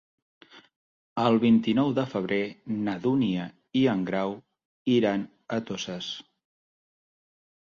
El vint-i-nou de febrer na Dúnia i en Grau iran a Toses.